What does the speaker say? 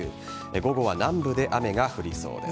午後は南部で雨が降りそうです。